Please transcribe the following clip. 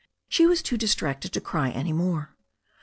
She was too distracted to cry any more.